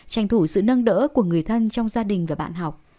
tranh thủ sự nâng đỡ của người thân trong gia đình và bạn học